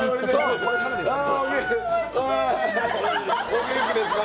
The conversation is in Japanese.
お元気ですか？